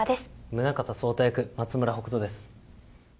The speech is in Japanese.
宗像草太役、松村北斗です。